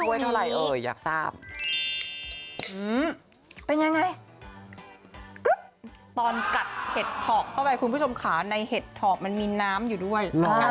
เป็นยังไงตอนกัดเห็ดถอบเข้าไปคุณผู้ชมขาในเห็ดถอบมันมีน้ำอยู่ด้วย